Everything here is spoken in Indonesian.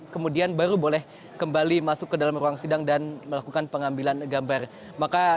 kemudian baru boleh kembali masuk ke dalam ruang sidang dan melakukan pengambilan gambar maka